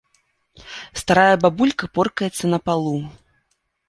Старая бабулька поркаецца на палу.